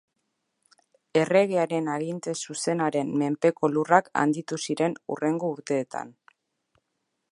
Erregearen aginte zuzenaren menpeko lurrak handitu ziren hurrengo urteetan.